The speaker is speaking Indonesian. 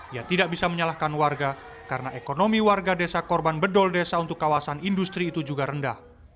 ia tidak bisa menyalahkan warga karena ekonomi warga desa korban bedol desa untuk kawasan industri itu juga rendah